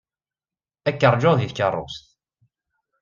Ad k-ṛjuɣ deg tkeṛṛust.